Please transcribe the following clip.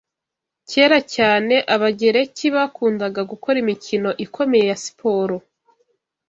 Kera cyane, Abagereki bakundaga gukora imikino ikomeye ya siporo.